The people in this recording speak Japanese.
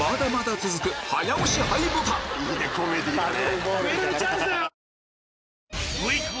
いいねコメディーだね。